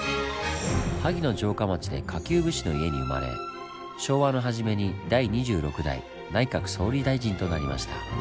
萩の城下町で下級武士の家に生まれ昭和の初めに第２６代内閣総理大臣となりました。